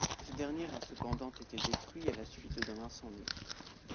Ce dernier a cependant été détruit, à la suite d'un incendie.